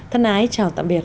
thân ái chào tạm biệt